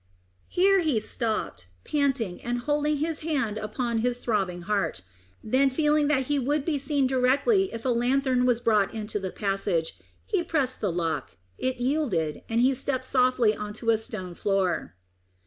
Here he stopped, panting, and holding his hand upon his throbbing heart. Then feeling that he would be seen directly if a lanthorn were brought into the passage, he pressed the lock, it yielded, and he stepped softly up on to a stone floor.